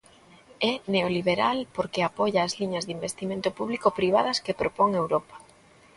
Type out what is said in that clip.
É neoliberal porque apoia as liñas de investimento público-privadas que propón Europa.